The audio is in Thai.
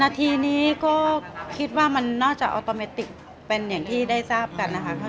นาทีนี้ก็คิดว่ามันนอกจากออโตเมติกเป็นอย่างที่ได้ทราบกันนะคะ